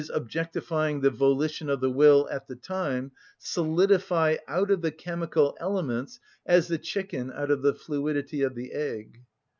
_, objectifying the volition of the will at the time, solidify out of the chemical elements as the chicken out of the fluidity of the egg.